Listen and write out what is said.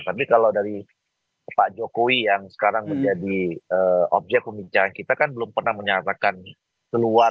tapi kalau dari pak jokowi yang sekarang menjadi objek pembicaraan kita kan belum pernah menyatakan keluar